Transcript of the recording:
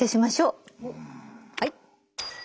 はい。